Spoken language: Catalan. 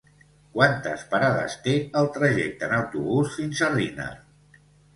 Quantes parades té el trajecte en autobús fins a Riner?